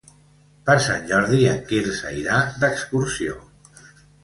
Per Sant Jordi en Quirze irà d'excursió.